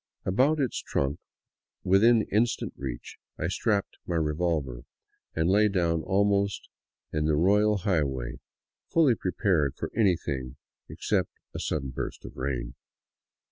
About its trunk, within instant reach, I strapped my revolver, and lay down almost in the " royal high way," fully prepared for anything except a sudden burst of rain.